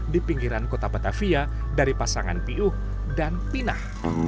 di pinggiran kota betavia dari pasangan piyuh dan pinah